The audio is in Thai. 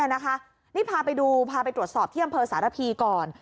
นี่พาไปดูพาไปตรวจสอบที่อำเภอสารพีก่อน